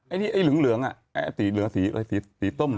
ไอ้เหลืองอ่ะสีต้ม